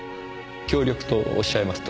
協力とおっしゃいますと？